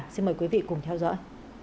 xin mời quý vị cùng theo dõi